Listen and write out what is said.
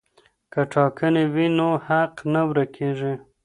که ټاکنې وي نو حق نه ورک کیږي.